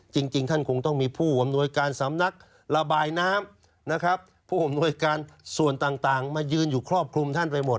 จริงท่านคงต้องมีผู้อำนวยการสำนักระบายน้ำนะครับผู้อำนวยการส่วนต่างมายืนอยู่ครอบคลุมท่านไปหมด